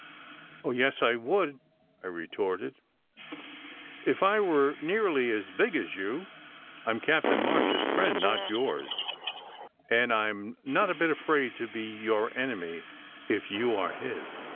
"Oh, yes, I would," I retorted, "if I were nearly as big as you. I m Captain March s friend, not yours; and I m not a bit afraid to be your enemy if you are his."